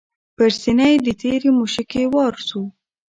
پر سینه یې د تیرې مشوکي وار سو